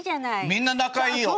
みんな仲いいよ。